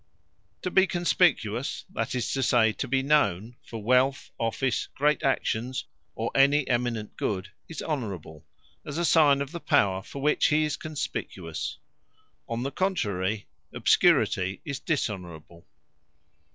To be Conspicuous, that is to say, to be known, for Wealth, Office, great Actions, or any eminent Good, is Honourable; as a signe of the power for which he is conspicuous. On the contrary, Obscurity, is Dishonourable.